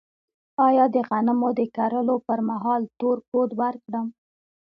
آیا د غنمو د کرلو پر مهال تور کود ورکړم؟